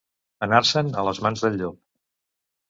Anar-se'n a les mans del llop.